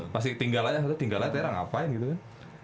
pasti tinggal aja tinggal aja tera ngapain gitu kan